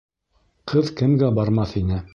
Ҡыҙ кемгә бармаҫ ине